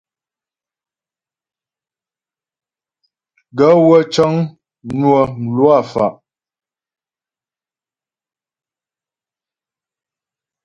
Gaə̂ wə́ cə́ŋ mnwə mlwâ fá'.